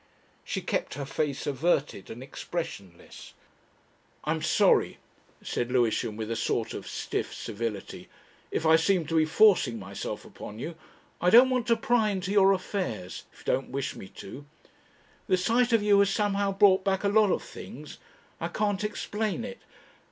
She kept her face averted and expressionless. "I'm sorry," said Lewisham, with a sort of stiff civility, "if I seem to be forcing myself upon you. I don't want to pry into your affairs if you don't wish me to. The sight of you has somehow brought back a lot of things.... I can't explain it.